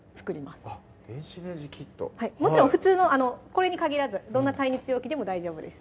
もちろん普通のこれに限らずどんな耐熱容器でも大丈夫です